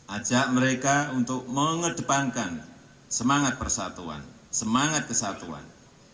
ajak mereka untuk mengedepankan semangat persatuan semangat kesatuan